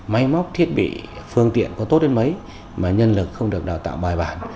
máy móc thiết bị phương tiện có tốt đến mấy mà nhân lực không được đào tạo bài bản